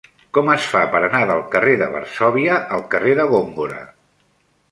Com es fa per anar del carrer de Varsòvia al carrer de Góngora?